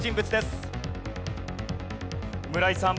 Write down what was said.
村井さん